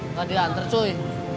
udah diantar cuy